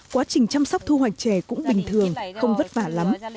quá trình chăm sóc thu hoạch chè cũng bình thường không vất vả lắm